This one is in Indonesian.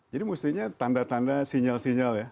jadi mestinya tanda tanda sinyal sinyal ya